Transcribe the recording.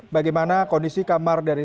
bagaimana kondisi kamar dari